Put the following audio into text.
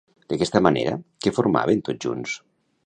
D'aquesta manera, què formaven tots junts?